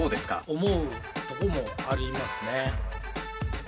思うとこもありますね。